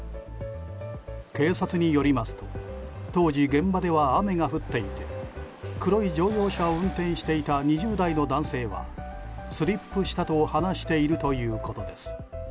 警察によりますと当時、現場では雨が降っていて黒い乗用車を運転していた２０代の男性はスリップしたと話しているということです。